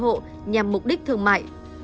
phụ nhầm vị mục đích thương mại